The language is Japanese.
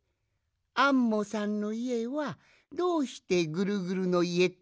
「アンモさんのいえはどうしてぐるぐるのいえっていうんですか」？